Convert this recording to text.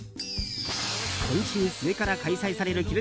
今週末から開催される